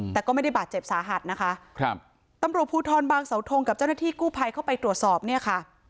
แต่ก็ไม่ได้บาดเจ็บสาหัสนะคะครับตำรวจภูทรบางเสาทงกับเจ้าหน้าที่กู้ภัยเข้าไปตรวจสอบเนี่ยค่ะ